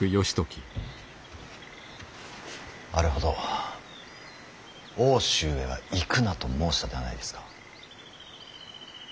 あれほど奥州へは行くなと申したではないですか。